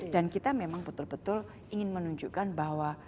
dan kita memang betul betul ingin menunjukkan bahwa